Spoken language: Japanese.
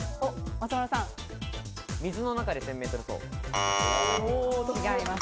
水の中で１０００ｍ走。